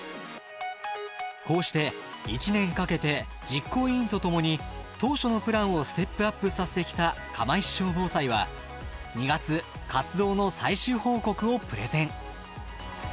こうして１年かけて実行委員と共に当初のプランをステップアップさせてきた釜石小ぼうさいは２月活動の最終報告をプレゼン。